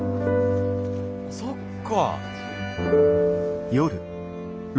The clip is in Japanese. そっか。